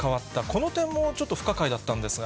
この点もちょっと不可解だったんですが。